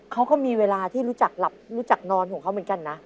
เขาก็มีเวลาที่รู้จักหลับรู้จักนอนของเขาเหมือนกันนะ